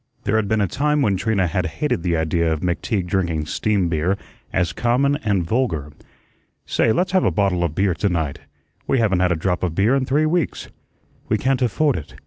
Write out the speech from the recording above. There had been a time when Trina had hated the idea of McTeague drinking steam beer as common and vulgar. "Say, let's have a bottle of beer to night. We haven't had a drop of beer in three weeks." "We can't afford it.